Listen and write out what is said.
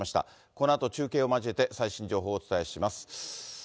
このあと中継を交えて、最新情報をお伝えします。